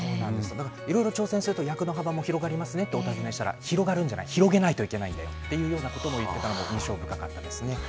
だからいろいろ挑戦していると、役の幅も広がりますねってお尋ねしたら、広がるんじゃない、広げなきゃいけないんだよと言っていたのが印象深かったですよね。